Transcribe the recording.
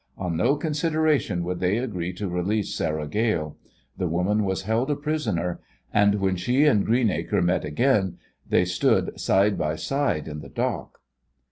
On no consideration would they agree to release Sarah Gale; the woman was held a prisoner; and when she and Greenacre met again they stood side by side in the dock.